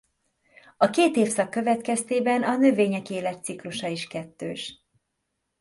A két évszak következtében a növények életciklusa is kettős.